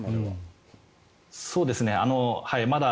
そうですね。